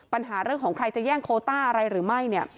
ปัญหาเรื่องของใครจะแย่งโคต้าอะไรหรือไม่เนี่ย